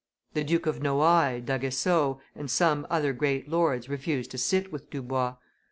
The Duke of Noailles, d'Aguesseau, and some other great lords refused to sit with Dubois.